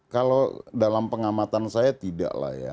kalau dalam pengamatan saya tidaklah ya